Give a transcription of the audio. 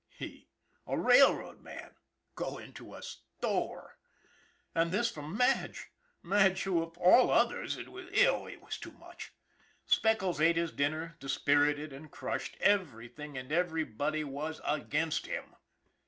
SPECKLES 313 He, a railroad man, go into a store! And this from Madge ! Madge, who, of all others it was too much! Speckles ate his dinner, dispirited and crushed. Everything and everybody was against him.